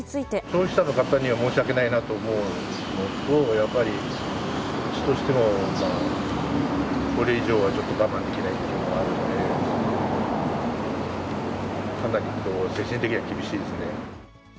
消費者の方には申し訳ないなと思うのと、やっぱりうちとしてもこれ以上はちょっと我慢できないところもあるんで、かなりこう、精神的には厳しいですね。